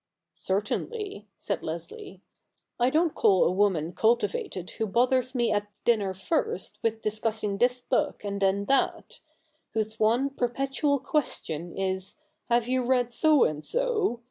' Certainly,' said Leslie. ' I don"t call a woman cultivated who bothers me at dinner first with discussing this bo<lc and then that — whose one perpetual question is, " Have you read So and so